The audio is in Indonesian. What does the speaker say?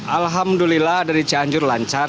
alhamdulillah dari cianjur lancar